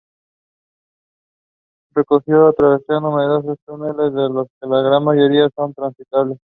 El recorrido atraviesa numerosos túneles, de los que la gran mayoría son transitables.